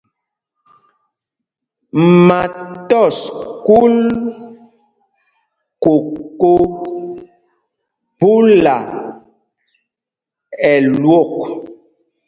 Ma tɔs kúl koko phúla ɛlwok.